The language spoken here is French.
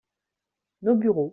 nos bureaux.